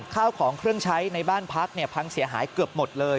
ข้าวของเครื่องใช้ในบ้านพักพังเสียหายเกือบหมดเลย